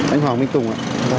anh hoàng minh tùng ạ